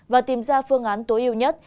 và tìm ra phương án tối ưu nhất